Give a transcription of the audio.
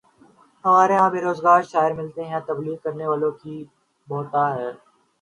ہمارے ہاں بے روزگار شاعر ملتے ہیں، تبلیغ کرنے والوں کی بہتات ہے۔